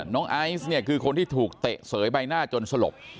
ไอซ์เนี่ยคือคนที่ถูกเตะเสยใบหน้าจนสลบ